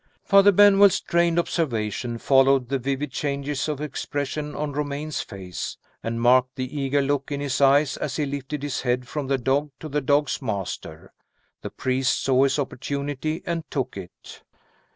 Father Benwell's trained observation followed the vivid changes of expression on Romayne's face, and marked the eager look in his eyes as he lifted his head from the dog to the dog's master. The priest saw his opportunity and took it.